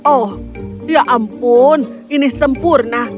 oh ya ampun ini sempurna